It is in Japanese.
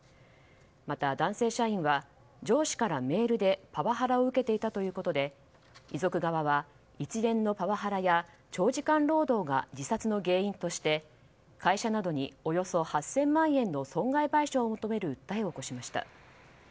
また、男性社員は上司からメールでパワハラを受けていたということで遺族側は一連のパワハラや長時間労働が自殺の原因として会社などにおよそ８０００万円の損害賠償を求める訴えを起こしました。